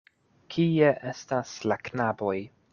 Kie estas la knaboj?